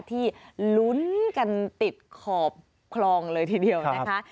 ที่ลุ้นกันติดขอบคลองเลยทีเดียวนะคะ